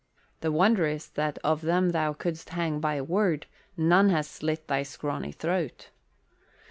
The wonder is that of them thou could'st hang by a word none has slit thy scrawny throat."